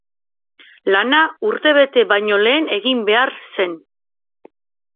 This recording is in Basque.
Lana urte bete baino lehen egin behar zen.